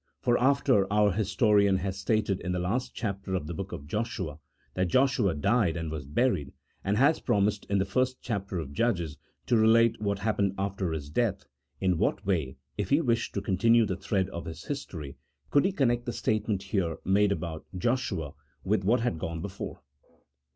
For after our historian has stated in the last chapter of the book of Joshua that Joshua died and was buried, and has promised, in the first chapter of Judges, to relate what happened after his death, in what way, if he wished to con tinue the thread of his history, could he connect the state ment here made about Joshua with what had gone before